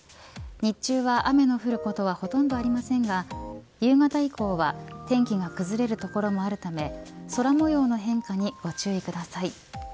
日中は雨の降ることはほとんどありませんが夕方以降は天気が崩れる所もあるため空模様の変化にご注意ください。